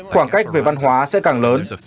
khoảng cách về văn hóa sẽ càng lớn